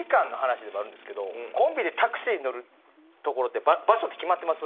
コンビでタクシーに乗る所って場所って決まってます？